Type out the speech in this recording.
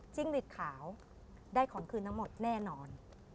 หลีดขาวได้ของคืนทั้งหมดแน่นอน